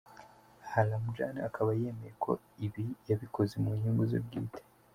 Aha Ramjaane akaba yemeye ko ibi yabikoze mu nyungu ze bwite.